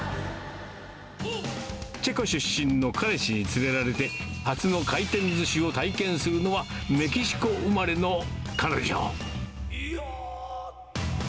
チェコ出身の彼氏に連れられて、初の回転ずしを体験するのは、メキシコ生まれの彼女。